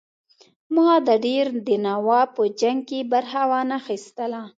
ما د دیر د نواب په جنګ کې برخه وانه خیستله.